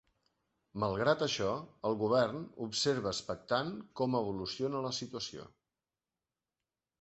Malgrat això, el govern observa expectant com evoluciona la situació.